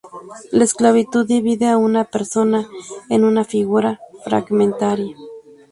La esclavitud divide a una persona en una figura fragmentaria.